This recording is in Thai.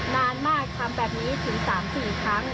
นานมากทำแบบนี้ถึง๓๔ครั้ง